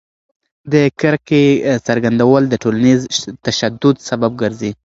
د کرکې څرګندول د ټولنیز تشدد سبب ګرځي.